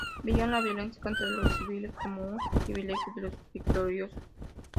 Veían la violencia contra los civiles como un privilegio de los victoriosos.